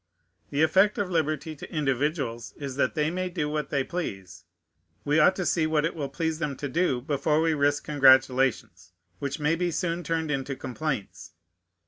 The effect of liberty to individuals is, that they may do what they please: we ought to see what it will please them to do, before we risk congratulations, which may be soon turned into complaints.